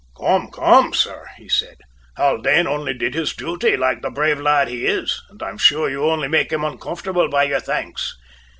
"Come, come, sir," he said. "Haldane only did his duty, like the brave lad he is; and I'm sure you only make him uncomfortable by your thanks.